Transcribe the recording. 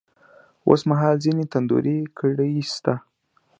اوس مـهال ځــينې تـنـدروې کـړۍ شـتـه.